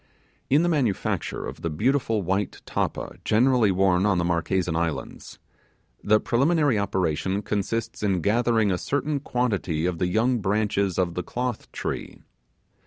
In the manufacture of the beautiful white tappa generally worn on the Marquesan Islands, the preliminary operation consists in gathering a certain quantity of the young branches of the cloth tree.